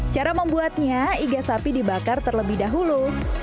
cara membuatnya iga sapi dibakar terlebih dahulu